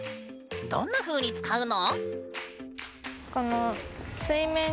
どんなふうに使うの？